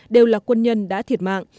đều là quân nhân đã thiệt mạng